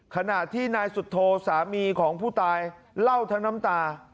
ขณะที่นายสุโธสามีของผู้ตายเล่าทั้งน้ำตา